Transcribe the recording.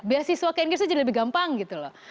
biasa siswa ke inggris itu jadi lebih gampang gitu loh